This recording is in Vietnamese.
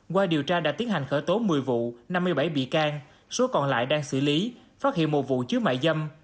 qua điều tra đã tiến hành khởi tố một mươi vụ năm mươi bảy bị can số còn lại đang xử lý phát hiện một vụ chứa mại dâm